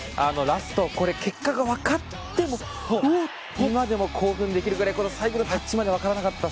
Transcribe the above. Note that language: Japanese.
ラスト、これ結果がわかっても今でも興奮できるぐらいこの最後のタッチまでわからなかった。